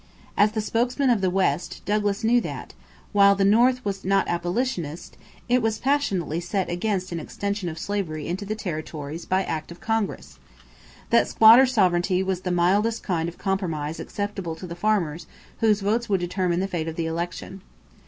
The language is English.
As the spokesman of the West, Douglas knew that, while the North was not abolitionist, it was passionately set against an extension of slavery into the territories by act of Congress; that squatter sovereignty was the mildest kind of compromise acceptable to the farmers whose votes would determine the fate of the election.